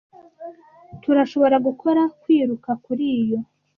Turashobora gukora kwiruka kuri yo?